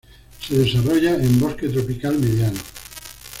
Se desarrolla en bosque tropical mediano.